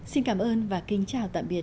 xin cảm ơn và kính chào tạm biệt